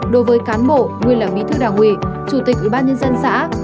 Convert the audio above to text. đối với cán bộ nguyễn lãnh bí thư đảng ủy chủ tịch ủy ban nhân dân xã